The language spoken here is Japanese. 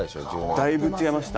だいぶ違いました。